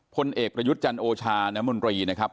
คนเอกประยุทธ์จันโอชานมรีนะครับ